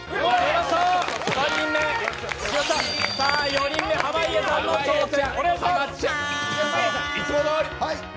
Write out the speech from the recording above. ４人目、濱家さんの挑戦。